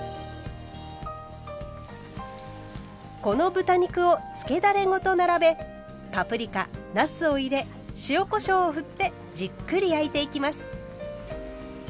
この豚肉を漬けだれごと並べパプリカなすを入れ塩・こしょうを振ってじっくり焼いていきます。